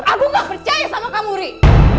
aku gak percaya sama kamu ri